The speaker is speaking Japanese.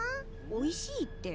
「おいしい」って？